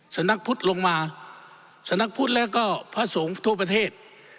สำนักพุทธลงมาสำนักพุทธแล้วก็พระสงฆ์ทั่วประเทศ